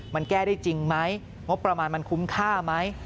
มันแก้ได้จริงไหมงบประมาณมันคุ้มค่าไหม